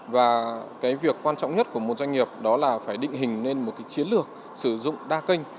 và một việc quan trọng nhất của một doanh nghiệp đó là phải định hình lên một chiến lược sử dụng đa kênh